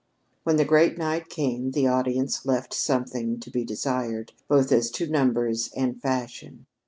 When the great night came, the audience left something to be desired, both as to numbers and fashion.